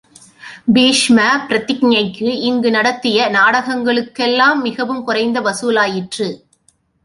பீஷ்மப் பிரதிக்ஞைக்கு இங்கு நடத்திய நாடகங்களுளெல்லாம் மிகவும் குறைந்த வசூலாயிற்று.